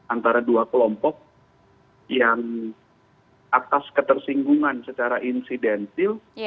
antara dua kelompok yang atas ketersinggungan secara insidentil